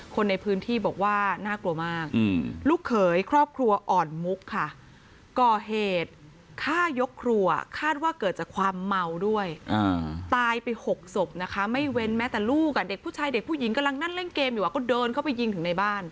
คนในพื้นที่บอกว่าน่ากลัวมากลูกเขยครอบครัวอ่อนมุกค่ะก่อเหตุฆ่ายกครัวคาดว่าเกิดจากความเมาด้วยตายไป๖ศพนะคะไม่เว้นแม้แต่ลูกอ่ะเด็กผู้ชายเด็กผู้หญิงกำลังนั่งเล่นเกมอยู่ก็เดินเข้าไปยิงถึงในบ้าน